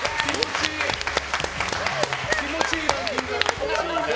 気持ちいいランキング！